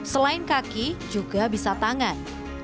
selain kaki juga bisa tangan